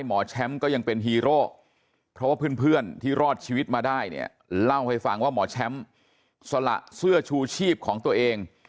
หมอแชมป์ก็ยังเป็นฮีโร่เพราะว่าเพื่อนที่รอดชีวิตมาได้เนี่ยเล่าให้ฟังว่าหมอแชมป์สละเสื้อชูชีพของตัวเอง